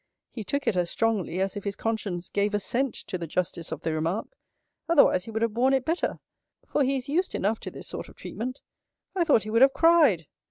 He took it as strongly, as if his conscience gave assent to the justice of the remark: otherwise he would have borne it better; for he is used enough to this sort of treatment. I thought he would have cried.